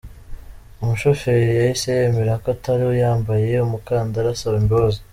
Umushoferi yahise yemera ko atari yambaye umukandara asaba imbabazi.